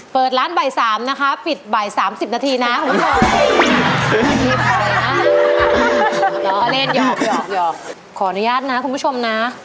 เปิดร้านบ่าย๓นะคะปิดบ่าย๓๐นาทีนะคุณผู้ชม